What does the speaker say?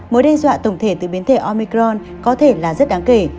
mối đe dọa tổng thể từ biến thể omicron có thể là rất đáng kể